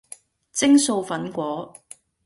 蒸素粉果